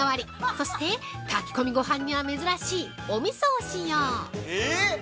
そして、炊き込みごはんには珍しいおみそを使用。